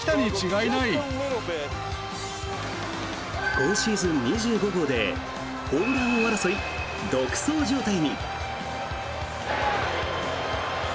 今シーズン２５号でホームラン王争い独走状態に。